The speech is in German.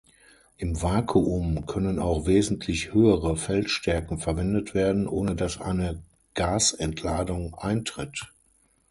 Im Vakuum können auch wesentlich höhere Feldstärken verwendet werden, ohne dass eine Gasentladung eintritt.